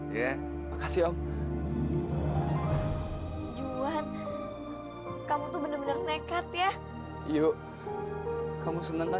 tapi ibu langsung sekarang